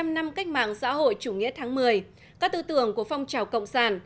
một trăm linh năm cách mạng xã hội chủ nghĩa tháng một mươi các tư tưởng của phong trào cộng sản